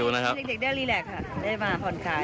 เด็กได้รีแลกค่ะได้มาผ่อนคลาย